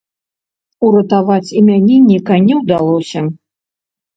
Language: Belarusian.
Уратаваць імянінніка не ўдалося.